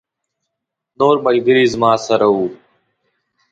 نور ملګري زما سره وو.